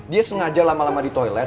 dia sengaja lama lama di toilet